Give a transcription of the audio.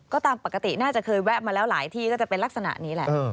ก็ตามปกติน่าจะเคยแวะมาแล้วหลายที่ก็จะเป็นลักษณะนี้แหละ